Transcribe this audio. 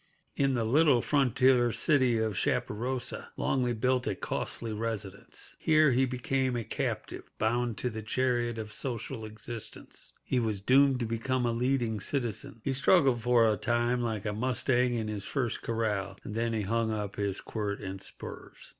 In the little frontier city of Chaparosa, Longley built a costly residence. Here he became a captive, bound to the chariot of social existence. He was doomed to become a leading citizen. He struggled for a time like a mustang in his first corral, and then he hung up his quirt and spurs.